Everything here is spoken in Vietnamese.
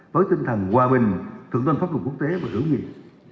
với tinh thần hòa bình thượng tên pháp luật quốc tế và hữu nghiệp